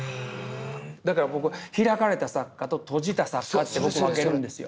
だから僕「開かれた」作家と「閉じた」作家って僕分けるんですよ。